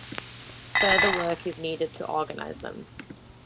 Further work is needed to organize them.